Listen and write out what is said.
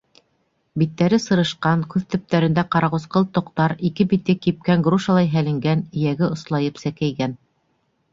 Биттәре сырышҡан, күҙ төптәрендә ҡарағусҡыл тоҡтар, ике бите кипкән грушалай һәленгән, эйәге ослайып сәкәйгән.